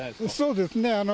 そうですね。